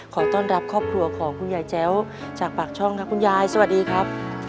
ขอต้อนรับครอบครัวของคุณยายแจ้วจากปากช่องครับคุณยายสวัสดีครับ